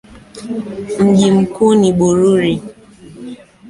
Mji mkuu ni Bururi.